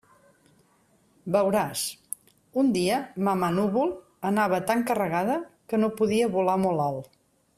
Veuràs: un dia Mamà-Núvol anava tan carregada que no podia volar molt alt.